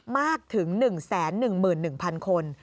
มากถึง๑๑๑๐๐คน